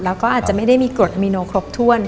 แล้วก็อาจจะไม่ได้มีกรดอมิโนครบถ้วน